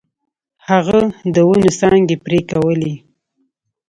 هغه د ونو څانګې پرې کولې.